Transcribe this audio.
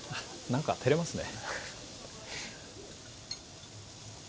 何か照れますね